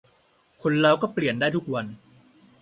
คนเราก็เปลี่ยนได้ทุกวัน